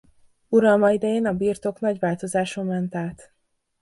Uralma idején a birtok nagy változáson ment át.